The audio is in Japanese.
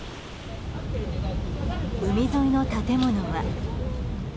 海沿いの建物は。